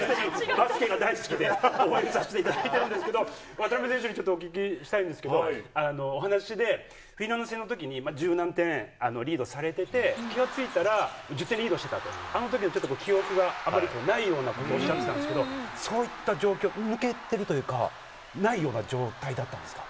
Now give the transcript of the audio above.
バスケが大好きで、応援させていただいてるんですけど、渡邊選手にちょっとお聞きしたいんですけど、お話で、フィンランド戦のときに十何点リードされてて、気がついたら、１０点リードしてたと、あのときは記憶があまり、ないようなことをおっしゃってたんですけど、そういった状況、抜けてるというか、ないような状態だったんですか？